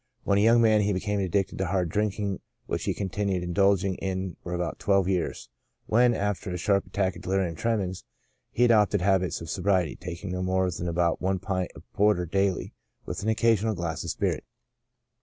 When a young man he became addicted to hard drinking, which he continued indulging in for about twelve years, when, after a sharp attack of delirium tremens, he adopted habits of sobriety, taking no more than about one pint of porter daily, with an occasional glass of spirits.